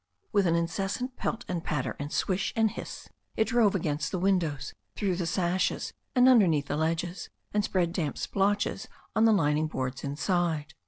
With an incessant pelt and patter and swish and hiss it drove against the windows, through the sashes, and underneath the ledges, and spread damp splotches on the lining boards inside.